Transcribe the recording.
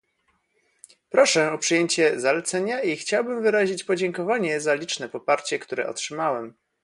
Proszę o przyjęcie zalecenia i chciałbym wyrazić podziękowanie za liczne poparcie, które otrzymałem